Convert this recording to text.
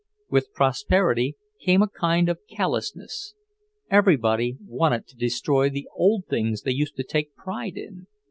With prosperity came a kind of callousness; everybody wanted to destroy the old things they used to take pride in.